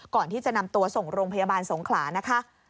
ก่อนที่จะนำตัวส่งโรงพยาบาลสงขลานะคะ